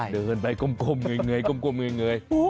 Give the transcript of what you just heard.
เดินไปก้มเหนื่อย